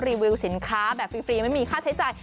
วิวสินค้าแบบฟรีไม่มีค่าใช้จ่าย